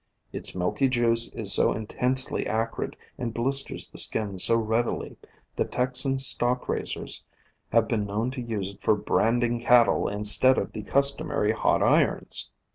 Its milky juice is so intensely acrid and blisters the skin so readily that Texan stock raisers have been known to use it for branding cattle instead of the customary hot irons.